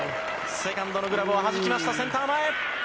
セカンドのグラブをはじきました、センター前。